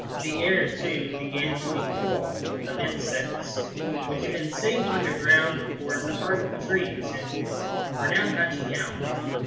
The air, too, began to be full of insects, which had been safe underground or in the hearts of trees, and were now hatching out.